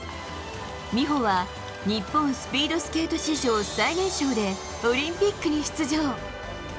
美帆は日本スピードスケート史上最年少でオリンピックに出場。